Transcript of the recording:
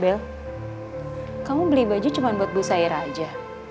bel kamu beli baju cuma buat bu saira aja